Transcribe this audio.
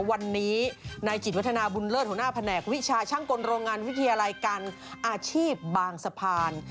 วันนี้นายจิตวัฒนาบุญเลิศหัวหน้าแผนกวิชาช่างกลโรงงานวิทยาลัยการอาชีพบางสะพาน